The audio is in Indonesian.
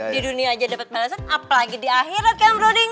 di dunia aja dapet balesan apalagi di akhirat kan boroding